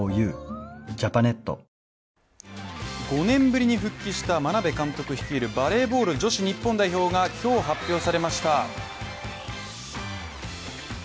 ５年ぶりに復帰した眞鍋監督率いるバレーボール女子日本代表が今日発表されました。